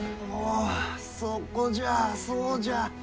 おそこじゃそうじゃ。